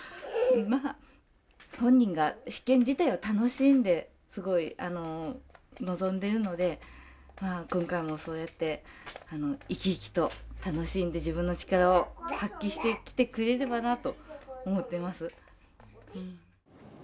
まあ本人が試験自体を楽しんで臨んでいるので今回もそうやって生き生きと楽しんで自分の力を発揮してきてくれればなと思っています。